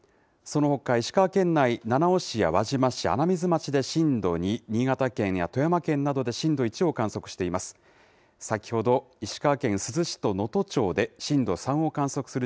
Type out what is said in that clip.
そのほか、石川県内、七尾市や輪島市、穴水町で震度２、新潟県や富山県などで震度１を観測しています。